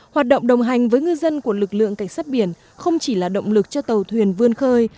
hoạt động đồng hành với ngư dân của lực lượng cảnh sát biển không chỉ là động lực cho tàu thuyền vươn khơi